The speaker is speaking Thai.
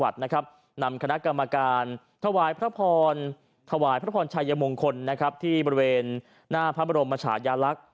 ทรัยมงคลที่บริเวณหน้าพระบรมราชญาลักษณ์